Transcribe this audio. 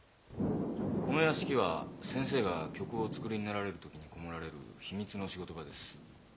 この屋敷は先生が曲をお作りになられる時にこもられる秘密の仕事場です。